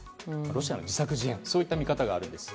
ロシアの自作自演といった見方があるんです。